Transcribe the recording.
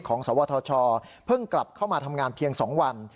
สวทชเพิ่งกลับเข้ามาทำงานเพียง๒วัน